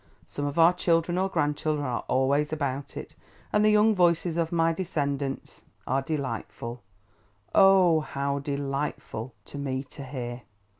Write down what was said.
Some of our children or grandchildren are always about it, and the young voices of my descendants are delightful—O, how delightful!—to me to hear.